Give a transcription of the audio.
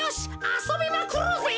あそびまくろうぜ。